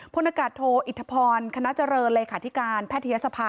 ณกาศโทอิทธพรคณะเจริญเลขาธิการแพทยศภา